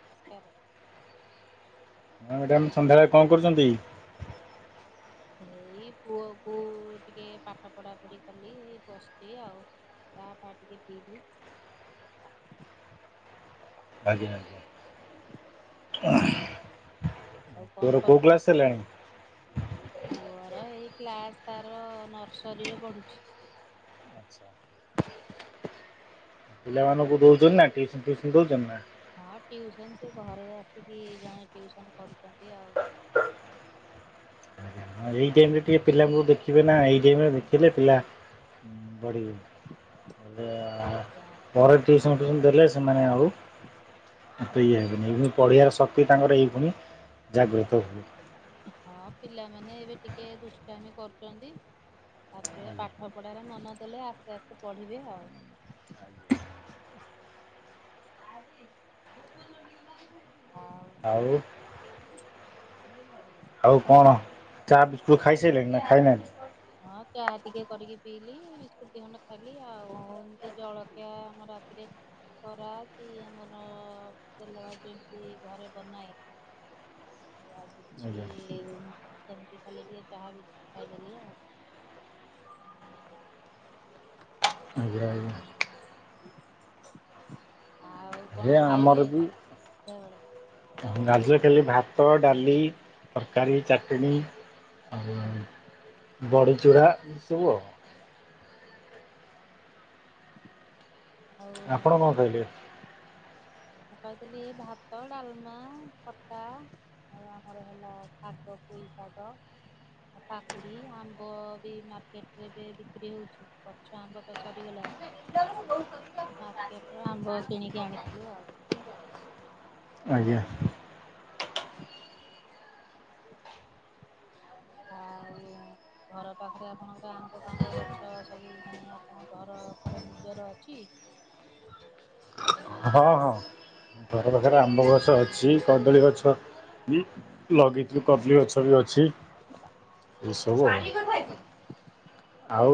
[unintelligible] ହଁ ମ୍ୟାଡାମ ସନ୍ଧ୍ୟାବେଳେ କଣ କରୁଛନ୍ତି? ଏଇ ପୁଅକୁ ଟିକେ ପାଠ ପଢାପଢି କଲି ଏଇ ବସିଛି ଆଉ। ଚା ଫା ଟିକେ ପିଇଲି। [unintelligible] [inaudible] ଆଉ କଣ ତୋର କୋଉ କରୁଛନ୍ତି? କ୍ଲାସ୍ ହେଲାଣି? ପୁଅର ଏଇ କ୍ଲାସ୍ ତାର ନର୍ସରୀରେ ପଢୁଛି। ଆଚ୍ଛା। ପିଲାମାନଙ୍କୁ ଦଉଛନ୍ତି ନା ଟ୍ୟୁସମ ଫ୍ୟୁସନ ଦଉଛନ୍ତି ନା? ହଁ ଟିଉସନ ସେ ଘରେ ଆସିକି ଜଣେ ଟ୍ୟୁସନ କରୁଛନ୍ତି ଆଉ। ଆଜ୍ଞା। ହଁ ଏଇ ଟାଇମ ରେ ଟିକେ ପିଲାଙ୍କୁ ଦେଖିବେ ନା ଏଇ ଟାଇମ ରେ ଦେଖିଲେ ପିଲା ପଢିବେ ପରେ ଟିଉସନ୍ ଫିଉସନ୍ ଦେଲେ ସେମାନେ ଆଉ ଏତେ ଇଏ ହେବେନି ଏବେ ପଢ଼ିବାର ଶକ୍ତି ତାଙ୍କର ଏହିଖୁଣି ଜାଗ୍ରତ ହୁଏ। ହଁ ପିଲାମାନେ ଏବେ ଟିକେ ଦୁଷ୍ଟାମି କରୁଛନ୍ତି। ତାପରେ ଆଜ୍ଞା। ପାଠ ପଢାରେ ମନ ଦେଲେ ଆସ୍ତେ ଆସ୍ତେ ପଢିବେ ଆଉ। [inaudible] ଆଉ। ଆଉ କଣ ଚା ବିସ୍କୁଟ ଖାଇସାଇଲେଣି ନା ଖାଇନାହାନ୍ତି? ହଁ ଚା ଟିକେ କରିକି ପିଇଲିି ବିସ୍କୁଟ ଦି ଖଣ୍ଡ ଖାଇଲି ଆଉ ଏମିତି ଜଳଖିଆ ଆମର ରାତିରେ ବରା କି ଆମର ତେଲଭାଜି ଏମିତି ଘରେ ବନାଏ। ଆଉ ଆଜି କିଛି ଆଜ୍ଞା ସେମିତି ଖାଲି ଟିକେ ଚାହା ବିସ୍କୁଟ ଖାଇଦେଲି ଆଉ। ଆଜ୍ଞା ଆଜ୍ଞା। [inaudible] କଣ ହେ ଆମର ଖାଇଲେ ବି। ସନ୍ଧ୍ୟାବେଳେ? [unintelligible] ଭାତ, ଡାଲି, ତରକାରୀ, ଚାଟିଣି ଆଉ ବଡ଼ିଚୁରା ଏସବୁ ଆଉ [inaudible] ଆଉ ଆପଣ କଣ ଖାଇଲେ? ମୁଁ ଖାଇଥିଲି ଭାତ, ଡାଲମା, ଖଟା ଆଉ ଆମର ହେଲା ଶାଗ ପୁଇ ଶାଗ କାକୁଡି ଆମ୍ବ ବି ମାର୍କେଟ ରେ ବିକ୍ରି ହଉଛି ଗଛ ଆମ୍ବ ତ ସରିଗଲାଣି। [unintelligible] ମାର୍କେଟର ଆମ୍ବ କିଣିକି ଆଣିଥିଲୁ ଆଉ। ଆଜ୍ଞା। [inaudible] ହଉ। ଘର ପାଖରେ ଆପଣଙ୍କର ଆମ୍ବଫାମ୍ବ ଗଛ ସବୁ ମାନେ ଆପଣଙ୍କ ଘରର ଫର ନିଜର ଅଛି। [inaudible] [inaudible] ଘର ପାଖରେ ଆମ୍ବଗଛ ଅଛି କଦଳୀଗଛ ଲଗେଇଥିଲ କଦଲି ଗଛ ବି ଅଛି। ଏସବୁ ଆ ଆଉ।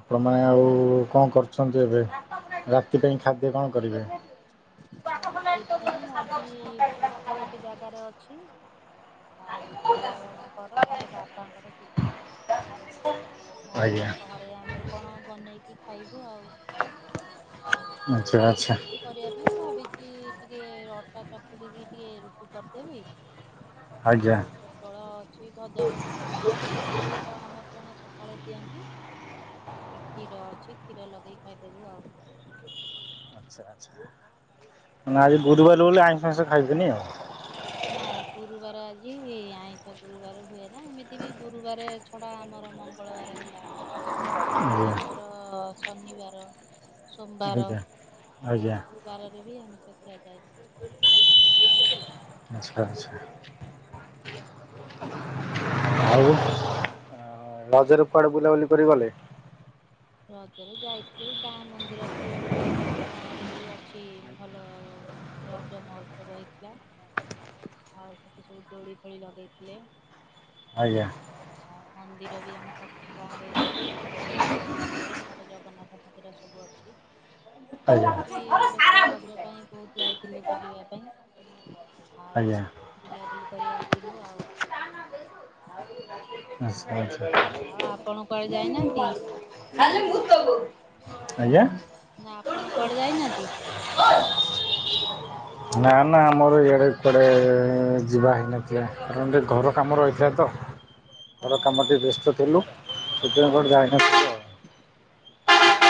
ଆପଣମାନେ ଆଉ କଣ କରୁଛନ୍ତି ଏବେ? ରାତି ପାଇଁ ଖାଦ୍ୟ କଣ କରିବେ? ରାତି ପାଇଁ ଆଜି ଭୋଜି ଗୋଟେ ଜାଗାରେ ଅଛି। ଆଉ ପୁଅ ଜଣଙ୍କର ତାଙ୍କ ବାପାଙ୍କର ଯିବେ ଆଉ ମୋର ଆଜ୍ଞା ଘରେ ଆମର କଣ ବନେଇକି ଖାଇବୁ ଆଉ। ଆଚ୍ଛା ଆଚ୍ଛା ଆପଣ କିଛି କରିବା ପାଇଁ ଭ ଟିକେ ଅଟା ଚକୁିକି ଟିକେ ରୁଟି କରିଦେବି। ଆଜ୍ଞା। କିଛି ଭଜା ଭଜିରେ କରିଦେବି କ୍ଷୀର ଆମର ଜଣେ ସକାଳେ ଦିଅନ୍ତି। କ୍ଷୀର ଅଛି କ୍ଷୀର ଲଗେଇ ଖାଇଦେବୁ ଆଉ। ଆଚ୍ଛା ଆଚ୍ଛା ମାନେ ଆଜି ଗୁରୁବାର ବୋଲି ଆଇଁଷ ଫାଇଁଷ ଖାଇବେନି ଆଉ। ନାଇଁ ଗୁରୁବାର ଆଜି ଆଇଁଷ ଗୁରୁବାର ହୁଏ ନା ଏମିତି ବି ଗୁରୁବାର ଛଡା ଆମର ମଙ୍ଗଳବାର ହେଲା ଇଏ ଆମର ଶନିବାର ସୋମବାର ଆଜ୍ଞା ଆଜ୍ଞା। ଆଜ୍ଞା ଏସବୁବାରରେ ବି ଆମର ଖିଆ ଯାଏନି। ଆଛା ଆଛା। ରଜ ର କୁଆଡେ ବୁଲାବୁଲି କରି ଗଲେ? ରଜରେ ଯାଇଥିଲୁ ଗାଁ ମନ୍ଦିର ଟିକେ ବୁଲିବା ପାଇଁ ଆମ ଗାଁ ରେ ବି ଅଛି ଭଲ ରଜ ମହୋ୍ସବ ହେଇଥିଲା। ଆଉ ସେଠି ସବୁ ଦୋଳିଫୋଳି ଲଗେଇଥିଲେ। ଆଜ୍ଞା। ଆଉ ମନ୍ଦିର ବି ଆମ ପାଖ ଗାଁ ରେ ଠାକୁରଙ୍କର ଶିବ ମନ୍ଦିର ମନ୍ଦିର ଆମର ଜଗନ୍ନାଥ ମନ୍ଦିର ସବୁ ଅଛି ଆଜ୍ଞା ଆଜ୍ଞା। ସେଠିକି ଲ ଆଚ୍ଛା ରଜ ପାଇଁ ବହୁତ ଯାଇଥିଲେ ବୁଲିବା ପାଇଁ ଆଉ ବୁଲାବୁଲି କରି ଆସିଲୁ ଆଉ। ଆଉ ଆଉ ଆପଣ ଆଛା କୁଆଡେ ଯାଇନାହାନ୍ତି? ଆଛା। ଆଜ୍ଞା। ଆପଣ କୁଆଡେ ଯାଇନାହାନ୍ତି? [unintelligible] ନା ନା ଆମର ଇଆଡେ କୁଆଡେ ଯିବା ହେଇନଥିଲା କାରଣ ଟିକେ ଘର କାମ ରହିଥିଲା ତ। [inaudible] ଘର ଓହୋ କାମଟି ବ୍ୟସ୍ତ ଥିଲୁ ସୁପ୍ରିମକୋର୍ଟ ଯାଇନଥିଲୁ ଆଉ। [unintelligible]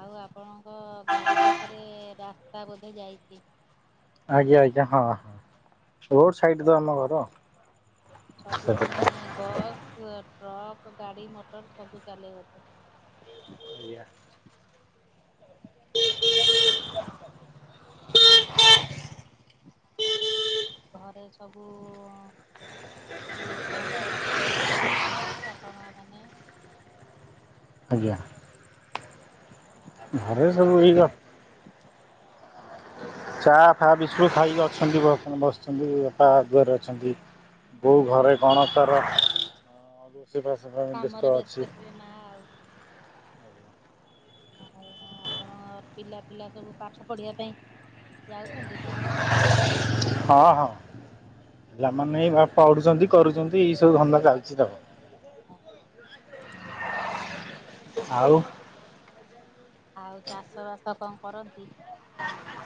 ଆଉ ଆପଣଙ୍କ ଘର ପାଖରେ ରାସ୍ତା ବୋଧେ ଯାଇଚି? ଆଜ୍ଞା ଆଜ୍ଞା ହଁ ରୋଡ ସାଇଟ ତ ଆମ ଘର। ସବୁ ମାନେ ସେଥିପାଇଁ। ବସ୍ ଅ ଟ୍ରକ୍ ଗାଡି ମଟର ସବୁ ଚାଲେ ବଧେ। ଆଉ ଘରେ ସବୁ ଏବେ କଣ କରୁଛନ୍ତି ପିଲା ମାନେ ବାପା ମା ମାନେ? ଆଜ୍ଞା [inaudible] ଆରେ ସବୁ ଏଇ ଗପ ଚା ଫା ବିସକୁଟ୍ ଖାଇକି ଅଛନ୍ତି, ବର୍ତ୍ତମାନ ବସିଛନ୍ତି ବାପା ଘରେ ଅଛନ୍ତି। ବୋଉ ଘରେ କଣ ତାର? ସେବା ସେବା ପାଇଁ କାମରେ ବ୍ୟସ୍ତ ଅଛି। ଥିବେ ମା ଆଉ [unintelligible] ଆପଣ ପିଲା ପିଲା ସବୁ ପାଠ ପଢିବା ପାଇଁ ଯାଉଛନ୍ତି। ଗାଁକୁ ହଁ ହଁ। ପିଲାମାନେ ଏଇ ପଢୁଛନ୍ତି କରୁଛନ୍ତି ଏଇ ସବୁ ଧନ୍ଦା ଚାଲିଛି ଆଉ। ଆଉ। ଆଉ ଚାଷ ବାସ କଣ କରନ୍ତି?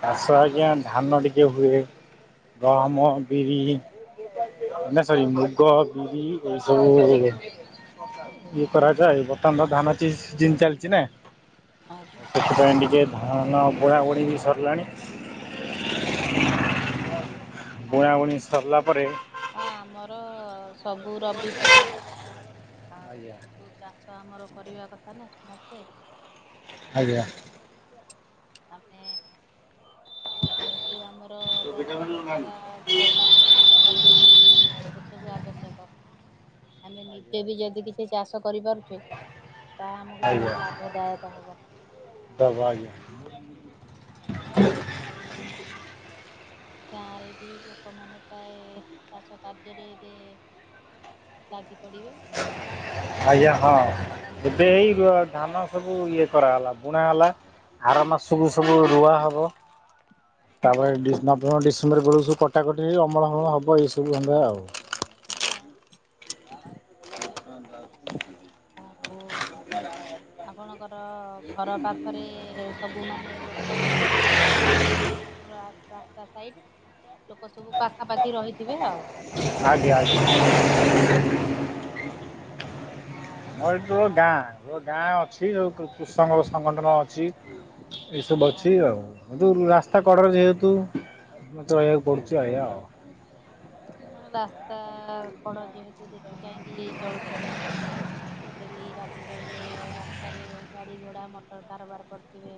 ଚାଷ ଆଜ୍ଞା ଧାନ ଟିକେ ହୁଏ ଗହମ, ବିରି ନାଇଁ ସରି ମୁଗ, ବିରି ଏ ସବୁ ଇଏ କରାଯାଏ ବର୍ତ୍ତମାନ ତ ଧାନ ସି ସିଜିନ ଚାଲିଚି ନା ଆଜ୍ଞା ସେଥିପାଇଁ ଟିକେ ଧାନ ବୁଣା ବୁଣି ବି ସରିଲାଣି। ବୁଣାବୁଣି ସରିଲା ପରେ ହଁ ଆମର ସବୁ ରବି ଫସଲ। ଆଜ୍ଞା ଆଉ ଚାଷ ଆମର କରିବା କଥା ନା ସମସ୍ତେ ଆଜ୍ଞା। ଆମେ ଯେହେତୁ ଆମର ବର୍ଷ ଆଜ୍ଞା। କୃଷକସାରା ପକାଏ ଧାନ, ବିରି ଏସବୁ ଆବଶ୍ୟକ। ଆମେ ଆଜ୍ଞା ନିଜେ ବି ଯଦି କିଛି ଚାଷ କରିପାରୁଛେ ତାହା ଆମକୁ ଆଜ୍ଞା ବହୁତ ଲାଭଦାୟକ ହେବ। [unintelligible] ଆଉ। ଗାଁରେ ବି ଲୋକମାନେ ପ୍ରାୟେ ଚାଷ କାର୍ଯ୍ୟରେ ଏବେ ଲାଗି ପଡିବେ। ଆଜ୍ଞା ହଁ ଲଗାଲଗି ଏବେ ଏଇ ଧାନ ସବୁ ଇଏ କରାହେଲା ବୁଣା ହେଲା ଆର ମାସକୁୁ ସବୁ ରୁଆ ହବ। ତାପରେ ଡିସେ ନଭେମ୍ବର ଡିସେମ୍ବର ବେଳକୁ, ସବୁ କଟାକଟି ହୋଇ ଅମଳ ହବ ଏଇସବୁ ଧନ୍ଦା ଆଉ। ହଁ। ଓ ହୋ। ଆପଣଙ୍କର ଘର ପାଖରେ ସବୁ ମାନେ ଲୋକସବୁ ଗାଁରେ ଆମର ରାସ୍ତା ସାଇଡ, ଲୋକ ସବୁ ପାଖାପାଖି ରହିଥିବେ ଆଉ। ଆଜ୍ଞା ଆଜ୍ଞା। ମୋର ଏଠି [unintelligible] ଗାଁ, ମୋ ଗାଁ ଅଛି ଆଉ କୃଷକଙ୍କ ସଂଗଠନ ଅଛି। ଏଇସବୁ ଅଛି ଆଜ୍ଞା ଆଉ ସୋଉଟୁ, ରାସ୍ତା କଡରେ ଯେହେତୁ ମତେ ରହିବାକୁ ପଡୁଛି। ରହିଆ ଆଉ। ରାସ୍ତା କଡ ଯେହେତୁ ଦେଖି ଚାହିଁକି ଚଳୁଥିବେ। ଡେଲି ରାତି ପାହିଲେ ରାସ୍ତାରେ ଗାଡ଼ି ଘୋଡ଼ା ମଟର କାରବାର କରୁଥିବେ।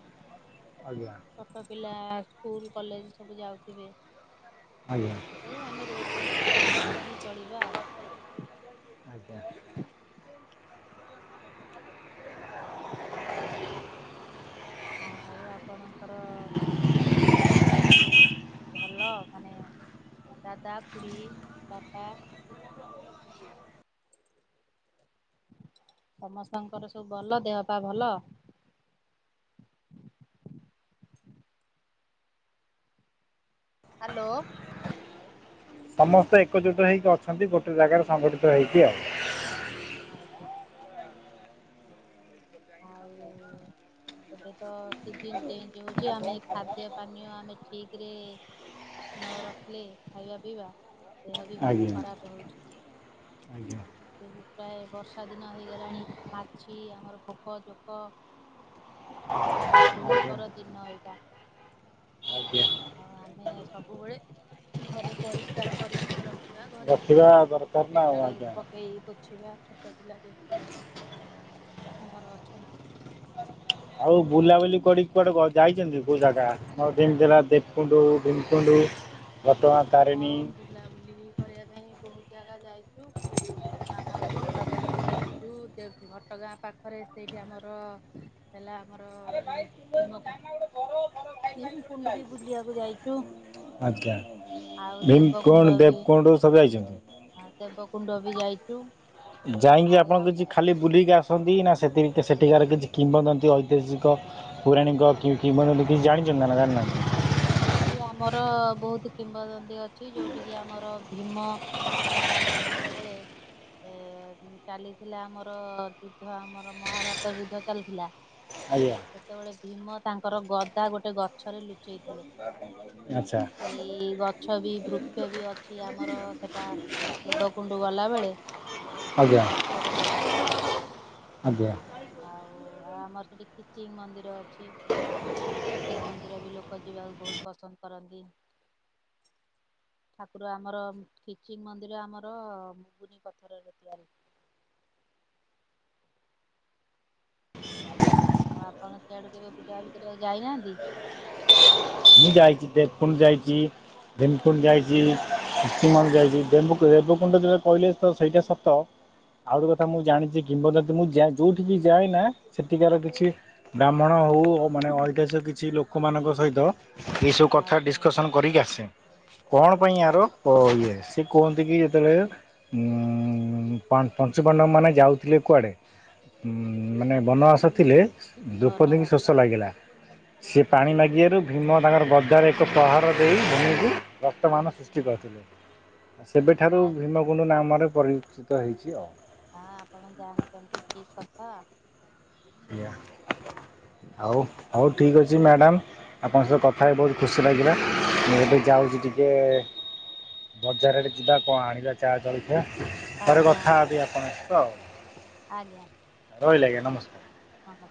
ଆଜ୍ଞା। ଛୋଟ ପିଲା ସ୍କୁଲ କଲେଜ ସବୁ ଯାଉଥିବେ। ଆଜ୍ଞା। ମୁଁ ଆମେ ରୋଡ଼ ସାଇଡ଼୍ ସତର୍କ ହେଇ ଚଳିବା ଆଉ। ଆଜ୍ଞା। ଆଉ ଆପଣଙ୍କର ଘରେ ସବୁ ଭଲ? ମାନେ ଦାଦା, ଖୁଡୀ, ବାପା ସମସ୍ତଙ୍କର ସବୁ ଭଲ ଦେହ ପା ଭଲ [unintelligible] ହ୍ୟାଲୋ। ସମସ୍ତେ ଏକଜୁଟ ହେଇକି ଅଛନ୍ତି ଗୋଟେ ଜାଗାରେ ସଂଗଠିତ ହେଇକି ଆଉ। ଆଜ୍ଞା। ଆଉ ଏବେ ତ ସିଜିନ୍ ଚେଞ୍ଜ ହଉଛି ଆମେ ଖାଦ୍ୟ ପାନୀୟ ଆମେ ଠିକ ରେ ନ ରଖିଲେ ଖାଇବା ପିଇବା ଦେହ ବି ବହୁତ ଆଜ୍ଞା ଖରାପ ହଉଛି। ଆଜ୍ଞା ଏବେ ପ୍ରାୟ ବର୍ଷା ଦିନ ହେଇଗଲାଣି ମାଛି ଆମର ପୋକ ଜୋକ ସେସବୁ ଉ ଆଜ୍ଞା ପର ଦିନ ଏଇଟା ଆଜ୍ଞା ଆଉ ଆମେ ସବୁବେଳେ ଘରେ ପରିଷ୍କାର ପରିଚ୍ଛନ୍ନ ର ବା ଘରେ ରଖିବା ଦରକାର ନା ଆଉ ଡେଟଲ୍ ଆଜ୍ଞା ପକେଇ ପୋଛିବା। ଛୋଟ ପିଲା ଯେହେତୁ ଘରେ ଆମର ଅଛନ୍ତି। ଆଉ ବୁଲାବୁଲି କଡିକି କୁଆଡେ ଯାଇଛନ୍ତି କୋଉ ଜାଗା [unintelligible] ହେଲା ଦେବକୁଣ୍ଡ ଭୀମକୁଣ୍ଡ? ଘଟଗାଁ ତାରେଣୀ ହଁ ବୁଲାବୁଲି କରିବା ପାଇଁ ବହୁତ ଜାଗା ଯାଇଛୁ। ଆମର ଘଟଗାଁ ବି ଯାଇଛୁ ଘଟଗାଁ ପାଖରେ ସେଇଠି ଆମର ହେଲା ଆମର ଉମ ଭୀମକୁଣ୍ଡ ବି ବୁଲିବାକୁ ଯାଇଛୁ। ଆଜ୍ଞା ଆଉ ଦେବକୁଣ୍ଡ ଭୀମକୁଣ୍ଡ, ଦେବକୁଣ୍ଡ ସବୁ ଯାଇଛନ୍ତି। ଦେବକୁୁଣ୍ଡ ବି ଯାଇଛୁ। ଯାଇକି ଆଉ ଆପଣ କିଛି ଆମର ଖାଲି ବୁଲିକି ଆସନ୍ତି ନା ସେତିକି ସେଠିକାର କିଛି କିମ୍ବଦନ୍ତି ଐତିହାସିକ ପୌରାଣିକ କି କିମ୍ବଦନ୍ତି କିଛି ଜାଣିଛନ୍ତି ନା ଜାଣିନାହାଁନ୍ତି? ହଁ ସେଠି ଆମର ବହୁତ କିମ୍ବଦନ୍ତି ଅଛି ଯୋଉଠି କିି ଆମର ଭୀମ ମାନେ ଆମର୍ ଯେତେବଳେ ଏ ଚାଲିଥିଲା ଆମର ଯୁଦ୍ଧ ଆମର ମହାଭାରତ ଯୁଦ୍ଧ ଚାଲିଥିଲା। ଆଜ୍ଞା ସେତେବେଳେ ଭୀମ ତାଙ୍କର ଗଦା ଗୋଟେ ଗଛରେ ଲୁଚି ଚେଇଥିଲେ ଆଚ୍ଛା ସେଇ ଗଛ ବି ବୃକ୍ଷ ବି ଅଛି ଆ ଆମର ସେଇଟା ଦେବକୁଣ୍ଡ ଗଲାବେଳେ ଆଜ୍ଞା ସେଟା ବାଟରେ ପଡେ ଆଜ୍ଞା ଆଉ ଆଉ ଆମର ସେଠି ଖିଚିଂ ମନ୍ଦିର ଅଛି ଖିଚିଂ ମନ୍ଦିର ବି ଲୋକ ଲୋକ ଯିବାକୁ ବହୁତ ପସନ୍ଦ କରନ୍ତି। ଠାକୁର ଆମର ଖିଚିଂ ମନ୍ଦିର ଆମର ମୁଗୁନି ପଥରରେ ତିଆରି। [unintelligible] ଆଉ ଆପଣ ସେଆଡୁ କେବେ ବୁଲାବୁଲି କରିବାକୁ ଯାଇନାହାନ୍ତି? ମୁଁ ଯାଇଛି ଦେବକୁଣ୍ଡ ଯାଇଛି। ଭୀମକୁଣ୍ଡ ଯାଇଛି ଶ୍ରୀମାନ ଯାଇଛି ଦେବୁକୁଣ୍ଡ ଯଉ କହିଲେ ତ ସେଇଟା ସତ ଆଉ ଗୋଟେ କଥା ମୁଁ ଜାଣିଛି କିମ୍ବଦନ୍ତୀ ମୁଁ ଯା ଯୋଉଠିକି ଯାଏ ନା ସେଠିକାର କିଛି ବ୍ରାହ୍ମଣ ହଉ ମାନେ ଐତିହାସିକ କିଛି ଲୋକମାନଙ୍କ ସହିତ ଏସବୁ କଥା ଆଜ୍ଞା ଡିସକସନ୍ କରିକି ଆସେ। କଣ ପାଇଁ ଆର ଆଜ୍ଞା ଇଏ ସେ କୁହ ନ୍ତି କି ଯେତେବେଳେ ଉମ ପଞ୍ଚୁ ପାଣ୍ଡବ ମାନେ ଯାଉଥିଲେ କୁଆଡ଼େ ଉମ ମାନେ ବନବାସ ଥିଲେ ଦ୍ରୌପଦୀଙ୍କୁ ବନବାସ ଶୋଷ ଲାଗିଲା ସେ ପାଣି ମାଗିବାରୁ ଭୀମ ତାଙ୍କର ଗଦାରେ ଏକ ପ୍ରହର ଦେଇ ଭୂମିକୁ ରକ୍ତମାନ ସୃଷ୍ଟି କରିଥିଲେ ସେବେଠାରୁ ଆଜ୍ଞା। ଭୀମଗକୁଣ୍ଡୁ ନାମରେ ପରିଚିତ ହେଇଛି ଆଉ। ହଁ ଆପଣ ଜାଣିଛନ୍ତି ଠିକ କଥା। ଆଜ୍ଞା ହଉ ହଉ ଠିକ୍ ଅଛି ମ୍ୟାଡ଼ାାମ। ଆପଣଙ୍କ ସହ କଥା ହେଇ ବହୁତ ଖୁସି ଲାଗିଲା ମୁଁ ଏବେ ଯାଉଛି ଟିକେ ବଜାର ଆଡେ ଯିବା କଣ ଆଣିବା ଚା ଜଳଖି ଥରେ ଆଜ୍ଞା କଥା ଆଜ୍ଞା। ହେବି ଆପଣଙ୍କ ସହିତ ଆଉ। ଆଜ୍ଞା। ରହିଲି ଆଜ୍ଞା ନମସ୍କାର। ହଁ ହ।